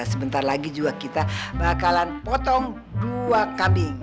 sebentar lagi juga kita bakalan potong dua kambing